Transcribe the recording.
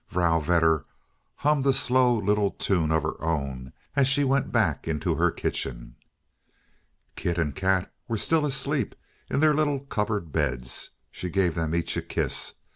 Vrouw Vedder hummed a slow little tune of her own, as she went back into her kitchen. Kit and Kat were still asleep in their little cupboard bed. She gave them each a kiss.